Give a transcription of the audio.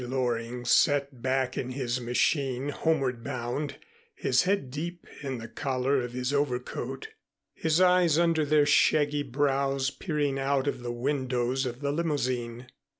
Loring sat back in his machine, homeward bound, his head deep in the collar of his overcoat, his eyes under their shaggy brows peering out of the windows of the limousine.